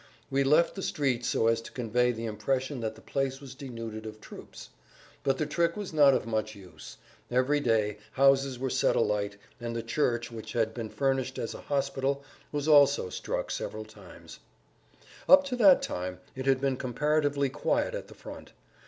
We left the streets so as to convey the impression that the place was denuded of troops. But the trick was not of much use. Every day houses were set alight, and the church, which had been furnished as a hospital, was also struck several times. [Pg 137]Up to that time it had been comparatively quiet at the front.